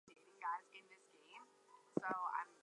A polygon that is already convex has no pockets.